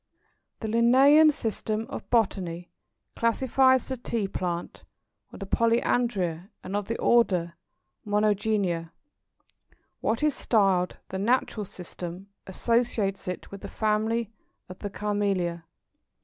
The Linnæan system of Botany classifies the Tea plant with the Polyandria, and of the order Monogynia. What is styled the "Natural System" associates it with the family of the Camellia.